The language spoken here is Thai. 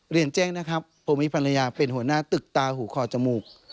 เรียนแจ้งนะครับผมมีภรรยาเป็นหัวหน้าตึกตาหูคอจมูก